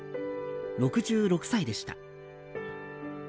６６歳でした。